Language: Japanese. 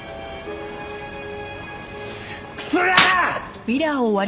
クソがっ！